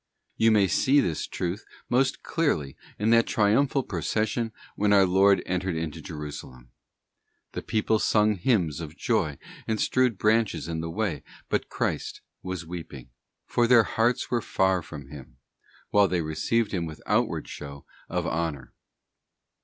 You may see this truth most clearly in that triumphal procession when our Lord entered into Jerusalem. The people sung hymns of joy and strewed branches in the way, but Christ was weeping,* for their hearts were far from Him while they received Him with outward show of honour.